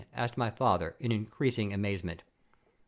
asked my father, in increasing amazement.